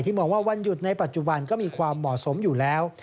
มองว่าวันหยุดในปัจจุบันก็มีความเหมาะสมอยู่แล้ว